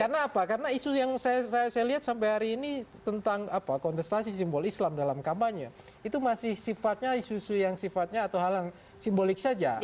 karena apa karena isu yang saya lihat sampai hari ini tentang apa kontestasi simbol islam dalam kampanye itu masih sifatnya isu isu yang sifatnya atau hal yang simbolik saja